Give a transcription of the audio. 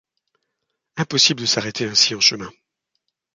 Impossible de s'arrêter ainsi en chemin.